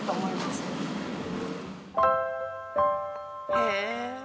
へえ！